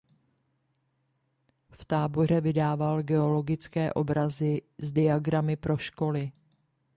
V Táboře vydával geologické obrazy s diagramy pro školy.